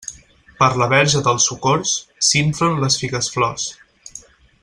Per la Verge dels Socors, s'inflen les figues-flors.